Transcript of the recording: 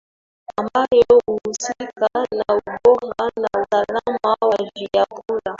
ambayo huhusika na ubora na usalama wa vyakula